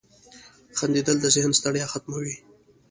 • خندېدل د ذهن ستړیا ختموي.